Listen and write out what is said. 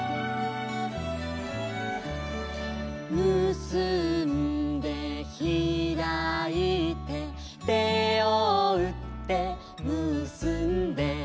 「むすんでひらいて」「手をうってむすんで」